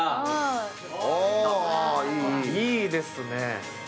いいですね。